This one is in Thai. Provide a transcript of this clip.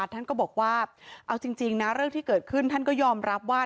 ท่านก็บอกว่าเอาจริงนะเรื่องที่เกิดขึ้นท่านก็ยอมรับว่า